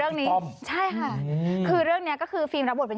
ตอนนี้เลือกกับแม่ผัวแน่